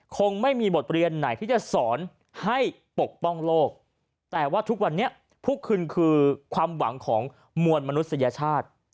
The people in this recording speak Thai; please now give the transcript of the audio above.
คงไม่มีบทเรียนไหนที่จะสอนให้ปกป้องโลกแต่ว่าทุกวันนี้ทุกคืนคือความหวังของมวลมนุษยชาติ